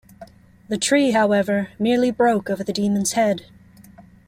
The tree, however, merely broke over the demon's head.